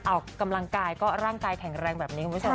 ออกกำลังกายก็ร่างกายแข็งแรงแบบนี้คุณผู้ชม